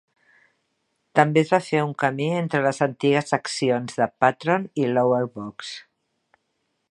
També es va fer un camí entre les antigues seccions de Patron i Lower Box.